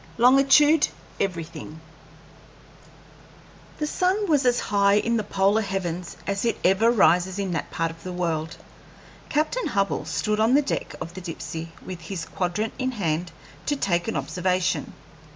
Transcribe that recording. LONGITUDE EVERYTHING The sun was as high in the polar heavens as it ever rises in that part of the world. Captain Hubbell stood on the deck of the Dipsey with his quadrant in hand to take an observation.